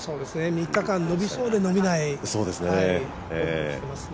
３日間、伸びそうで伸びないプレーをしてますね。